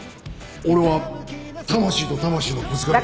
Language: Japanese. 俺は魂と魂のぶつかり合いで。